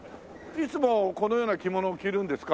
いつもこのような着物を着るんですか？